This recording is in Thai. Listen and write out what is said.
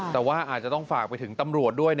แต่ว่าอาจจะต้องฝากไปถึงตำรวจด้วยนะ